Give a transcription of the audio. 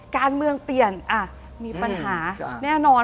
การเมืองเปลี่ยนมีปัญหาแน่นอน